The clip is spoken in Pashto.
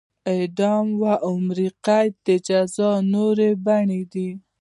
اعدام او عمري قید د جزا نورې بڼې دي.